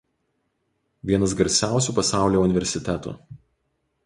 Vienas garsiausių pasaulyje universitetų.